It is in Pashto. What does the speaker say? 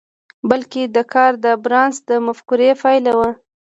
بلکې دا کار د بارنس د مفکورې پايله وه.